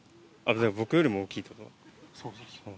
僕よりも大きいと思う。